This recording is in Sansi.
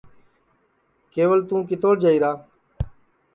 کیول تُو کِتوڑ جائیرا